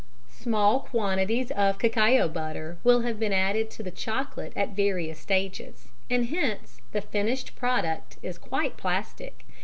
_ Small quantities of cacao butter will have been added to the chocolate at various stages, and hence the finished product is quite plastic.